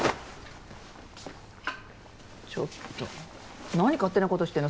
ちょっと何勝手なことしてんの？